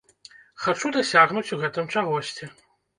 Хачу дасягнуць у гэтым чагосьці.